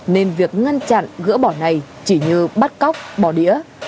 nên việc ngăn chặn gỡ bỏ này chỉ như bắt cóc bỏ đĩa